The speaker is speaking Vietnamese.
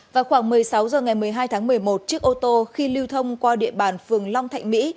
vào khoảng một mươi sáu h ngày một mươi hai tháng một mươi một chiếc ô tô khi lưu thông qua địa bàn phường long thạnh mỹ